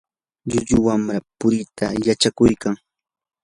llullu wamra puriita yachakuykan.